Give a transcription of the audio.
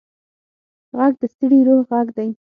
غږ د ستړي روح غږ دی